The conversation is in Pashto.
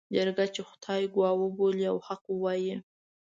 جرګه چې خدای ګواه وبولي او حق ووايي.